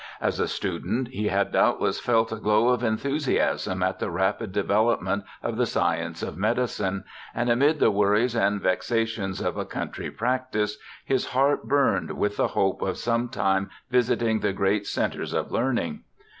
As a student he had doubtless felt a glow of enthusiasm at the rapid de AN ALABAMA STUDENT 3 velopment of the science of medicine, and amid the worries and vexations of a country practice his heart burned with the hope of some time visiting the great centres of learning.